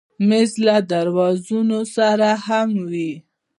مېز له درازونو سره هم وي.